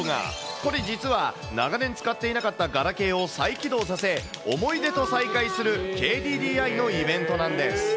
これ、実は長年使っていなかったガラケーを再起動させ、思い出と再会するＫＤＤＩのイベントなんです。